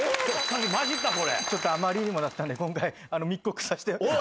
あまりにもだったんで今回密告させて。